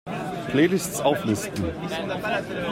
Playlists auflisten!